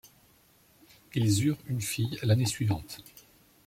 Ils eurent une fille l'année suivante.